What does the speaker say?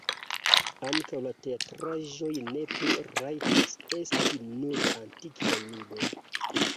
Ankaŭ la teatraĵoj ne plu rajtas esti nur antikvaj ludoj.